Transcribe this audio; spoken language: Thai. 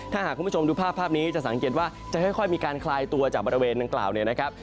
ถ้าหากคุณผู้ชมดูภาพภาพนี้จะสังเกตว่าจะค่อยมีการคลายตัวจากบริเวณดังกล่าวเนี่ยนะครับ